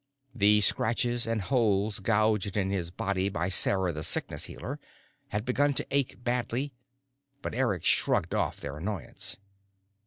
The scratches and holes gouged in his body by Sarah the Sickness Healer had begun to ache badly, but Eric shrugged off their annoyance.